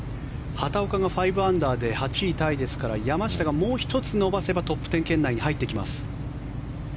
畑岡が５アンダーで８位タイですから山下がもう１つ伸ばせばトップ１０圏内に入ってきます。